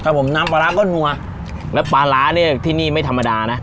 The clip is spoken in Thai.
ผมน้ำปลาร้าก็นัวแล้วปลาร้าเนี่ยที่นี่ไม่ธรรมดานะ